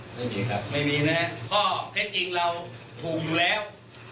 ไม่มีครับไม่มีนะฮะข้อเท็จจริงเราถูกอยู่แล้ว